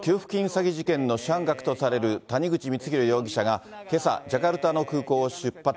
詐欺事件の主犯格とされる谷口光弘容疑者が、けさ、ジャカルタの空港を出発。